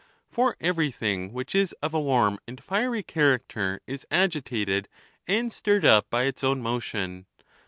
For everything which is of a warm and fiery character is agi tated and stirred up by its own motion.